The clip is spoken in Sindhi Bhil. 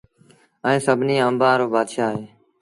ائيٚݩ سڀنيٚ آݩبآݩ رو بآتشآه اهي